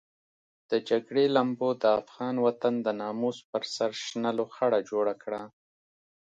د جګړې لمبو د افغان وطن د ناموس پر سر شنه لوخړه جوړه کړه.